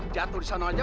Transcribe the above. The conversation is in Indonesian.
jatuh di sana aja